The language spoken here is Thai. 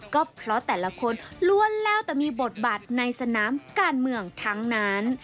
ก็เพราะแต่ละคนล้วนแล้วแต่มีบทบาทในสนามการเมืองทั้งนั้น